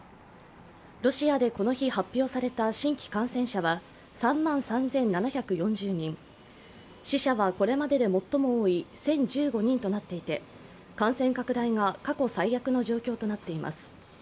ロシアでこの日発表された新規感染者は３万３７４０人、死者はこれまでで最も多い１０１５人となっていて、感染拡大が過去最悪の状況となっています。